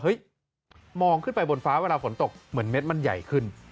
มองขึ้นไปบนฟ้าเวลาฝนตกเหมือนเม็ดมันใหญ่ขึ้น